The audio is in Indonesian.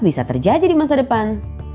bisa terjadi di masa depan